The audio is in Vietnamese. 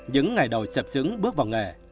những ngày đầu chập xứng bước vào nghề